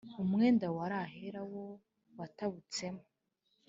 umwenda wari ahera wo watabutsemo